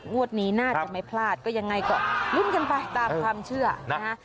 งวดนี้น่าจะไม่พลาดก็ยังไงก็ลุ้นกันไปตามความเชื่อนะฮะ